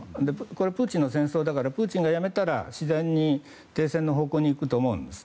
これはプーチンの戦争だからプーチンが辞めたら自然に停戦の方向に行くと思うんです。